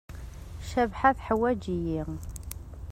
Cabḥa teḥwaǧ-iyi.